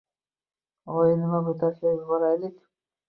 Oyi, nima bu, tashlab yuboraylik.